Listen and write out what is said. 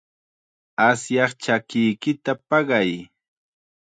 Asyaq chakiyki paqay.